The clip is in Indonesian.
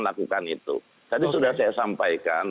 lakukan itu tadi sudah saya sampaikan